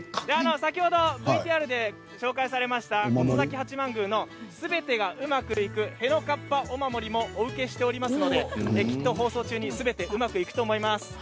先ほどＶＴＲで紹介されました琴崎八幡宮の全てが上手くいくへのかっぱお守りもお受けしていますので放送中にすべてうまくいくと思います。